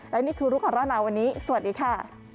และนี่คือลูกค้าร่านาวันนี้สวัสดีค่ะ